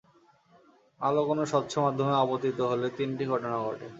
আলো কোনো স্বচ্ছ মাধ্যমে আপতিত হলে তিনটি ঘটনা ঘটে।